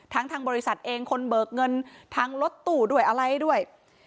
ทางบริษัทเองคนเบิกเงินทางรถตู้ด้วยอะไรด้วย